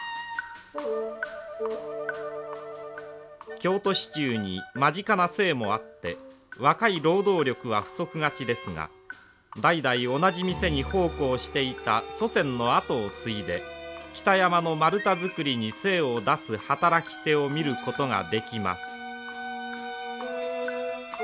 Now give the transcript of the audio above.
京都市中に間近なせいもあって若い労働力は不足がちですが代々同じ店に奉公していた祖先の後を継いで北山の丸太作りに精を出す働き手を見ることができます。